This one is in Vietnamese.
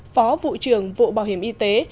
phó vụ trưởng vụ bảo hiểm y tế